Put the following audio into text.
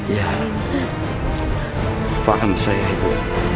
ya pak am saya ibu